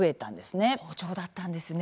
好調だったんですね。